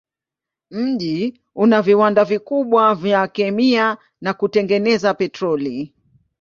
Mji una viwanda vikubwa vya kemia na kutengeneza petroli.